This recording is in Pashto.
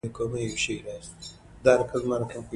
پرېکړې باید د اوږدمهاله اغېزو له مخې وشي